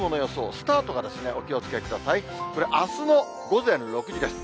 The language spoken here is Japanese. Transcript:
スタートが、お気をつけください、これ、あすの午前６時です。